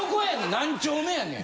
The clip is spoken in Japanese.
何丁目やねん？